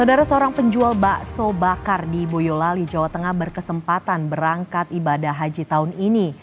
saudara seorang penjual bakso bakar di boyolali jawa tengah berkesempatan berangkat ibadah haji tahun ini